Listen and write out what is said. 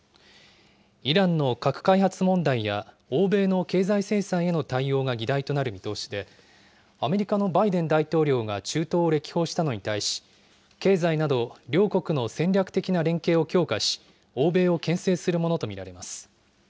イランの核開発問題や、欧米の経済制裁への対応が議題となる見通しで、アメリカのバイデン大統領が中東を歴訪したのに対し、経済など両国の戦略的な連携を強化し、欧米をけん制するものと見られます。